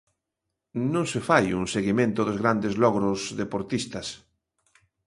Non se fai un seguimento dos grandes logros deportistas.